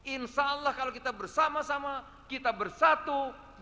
insya allah kalau kita bersama sama kita bersatu